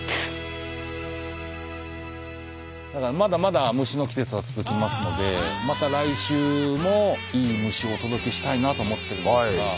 まだまだ虫の季節は続きますので来週もいい虫をお届けしたいなと思っているのですが。